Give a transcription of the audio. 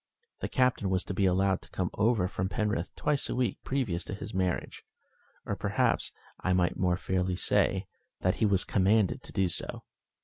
The Captain was to be allowed to come over from Penrith twice a week previous to his marriage; or perhaps, I might more fairly say, that he was commanded to do so.